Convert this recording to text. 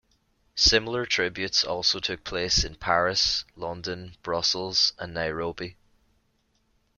Similar tributes also took place in Paris, London, Brussels and Nairobi.